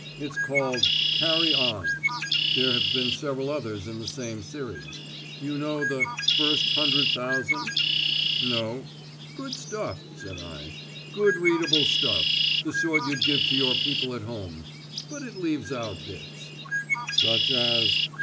"It's called 'Carry On'; there have been several others in the same series. You know the 'First Hundred Thousand'?" "No." "Good stuff," said I. "Good readable stuff; the sort you'd give to your people at home. But it leaves out bits." "Such as